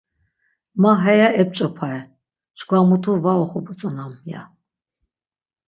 Ma heya ep̌ç̌opaye, çkva mutu var oxobotzonam' ya.